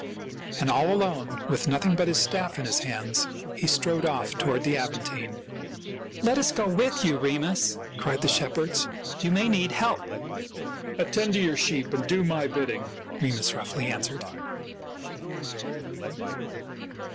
And all alone, with nothing but his staff in his hands, he strode off toward the Aventine. " Let us go with you, Remus," cried the shepherds. " You may need help." " Attend to your sheep, and do my bidding," Remus roughly answered.